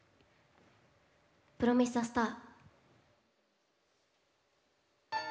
「プロミスザスター」。